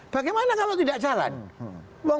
bagaimana kalau tidak jalan